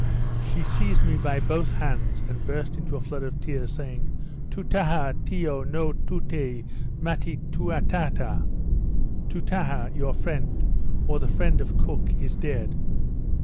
She seized me by both hands, and burst into a flood of tears, saying, Toutaha Tiyo no Toutee matty Toutaha (Toutaha, your friend, or the friend of Cook, is dead.)